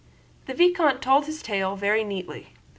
The vicomte told his tale very neatly.